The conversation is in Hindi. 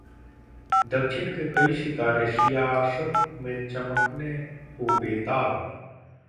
दक्षिण के कई सितारे सियासत में चमकने को बेताब